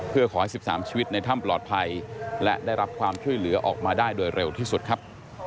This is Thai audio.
เพื่อขอให้๑๓ชีวิตในถ้ำปลอดภัยและได้รับความช่วยเหลือออกมาได้โดยเร็วที่สุดครับ